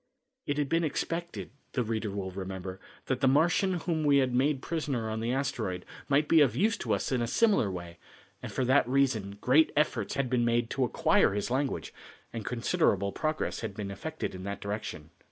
It had been expected, the reader will remember, that the Martian whom we had made prisoner on the asteroid, might be of use to us in a similar way, and for that reason great efforts had been made to acquire his language, and considerable progress had been effected in that direction.